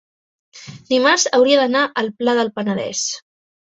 dimarts hauria d'anar al Pla del Penedès.